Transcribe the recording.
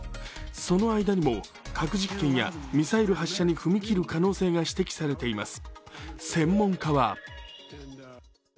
その間にも核実験やミサイル発射に踏み切る可能性が指摘されています。